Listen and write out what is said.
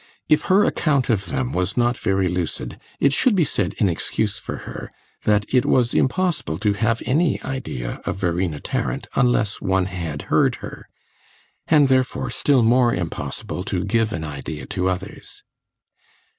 If her account of them was not very lucid, it should be said in excuse for her that it was impossible to have any idea of Verena Tarrant unless one had heard her, and therefore still more impossible to give an idea to others.